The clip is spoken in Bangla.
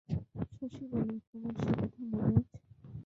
শশী বলে, তোমার সে কথা মনে আছে?